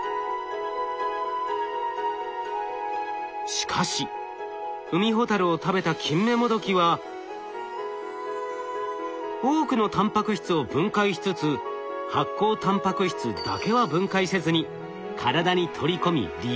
しかしウミホタルを食べたキンメモドキは多くのタンパク質を分解しつつ発光タンパク質だけは分解せずに体に取り込み利用できるのです。